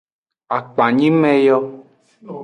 Akpanyime yo.